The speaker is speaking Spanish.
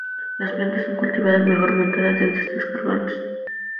Las plantas son cultivadas mejor montadas en cestas colgantes.